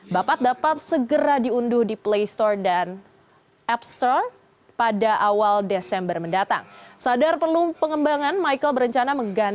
bapat dapat segera diunduh di pasukan